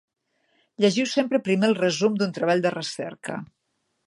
Llegiu sempre primer el resum d'un treball de recerca.